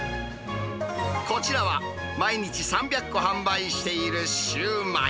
こちらは、毎日３００個販売しているシウマイ。